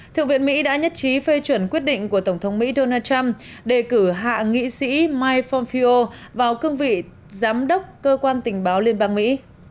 thượng viện mỹ đã nhất trí phê chuẩn quyết định của tổng thống mỹ donald trump đề cử hạ nghị sĩ mike pomphieo vào cương vị giám đốc cơ quan tình báo liên bang mỹ